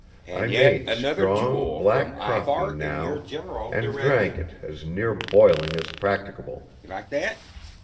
I made strong black coffee now and drank it as near boiling as practicable.